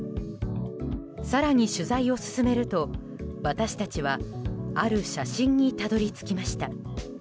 更に取材を進めると、私たちはある写真にたどり着きました。